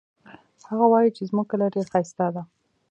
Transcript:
هغه وایي چې زموږ کلی ډېر ښایسته ده